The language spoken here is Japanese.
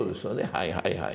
はいはいはい。